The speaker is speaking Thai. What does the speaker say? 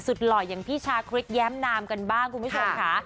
หล่ออย่างพี่ชาคริสแย้มนามกันบ้างคุณผู้ชมค่ะ